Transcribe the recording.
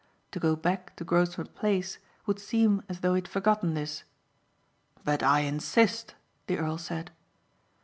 To go back to Grosvenor Place would seem as though he had forgotten this. "But I insist," the earl said.